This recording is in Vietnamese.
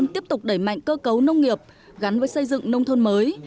tiếp tục đẩy mạnh cơ cấu nông nghiệp gắn với xây dựng nông thôn mới